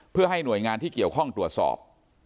เพื่อให้หน่วยงานที่เกี่ยวข้องตรวจสอบ